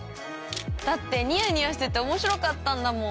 だってニヤニヤしてて面白かったんだもん！